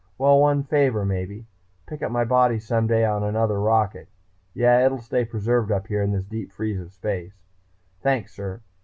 Well, one favor maybe. Pick up my body some day with another rocket.... Yeah, it'll stay preserved up here in this deep freeze of space.... Thanks, sir....